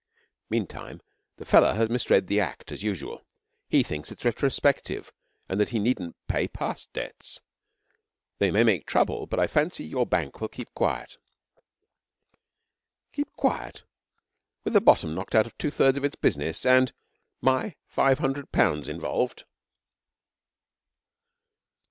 'Meantime, the fellah has misread the Act as usual. He thinks it's retrospective, and that he needn't pay past debts. They may make trouble, but I fancy your Bank will keep quiet.' 'Keep quiet! With the bottom knocked out of two thirds of its business and and my five hundred pounds involved!'